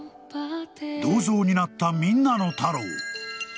銅像になったみんなのタロー。